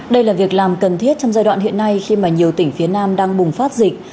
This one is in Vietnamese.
đây là việc làm cần thiết trong giai đoạn hiện nay khi mà nhiều tỉnh phía nam đang bùng phát dịch